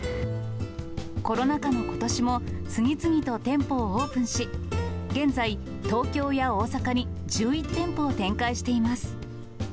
コロナ禍のことしも、次々と店舗をオープンし、現在、東京や大阪に１１店舗を展開しています。